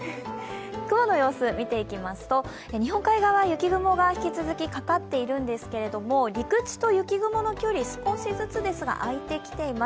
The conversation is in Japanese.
雲の様子見ていきますと日本海側は雪雲が引き続きかかっているんですけれども、陸地と雪雲の距離、少しずつですが開いてきています。